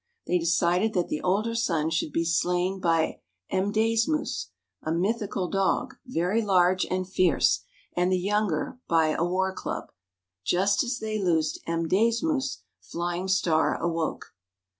They decided that the older son should be slain by "M'dāsmūs" (a mythical dog, very large and fierce), and the younger by a war club. Just as they loosed M'dāsmūs, Flying Star awoke.